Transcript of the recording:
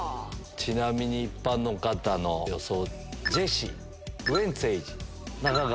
ちなみに一般の方の予想。